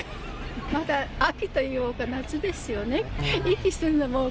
まだ秋というか、夏ですよね。